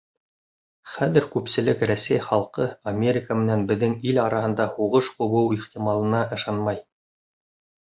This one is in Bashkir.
Хәҙер күпселек Рәсәй халҡы Америка менән беҙҙең ил араһында һуғыш ҡубыу ихтималына ышанмай.